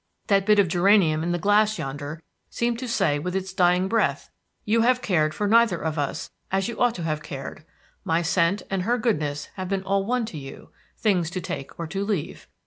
That bit of geranium in the glass yonder seemed to say with its dying breath, 'You have cared for neither of us as you ought to have cared; my scent and her goodness have been all one to you, things to take or to leave.